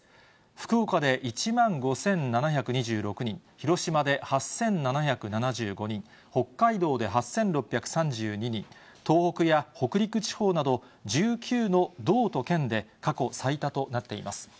福岡で１万５７２６人、広島で８７７５人、北海道で８６３２人、東北や北陸地方など、１９の道と県で過去最多となっています。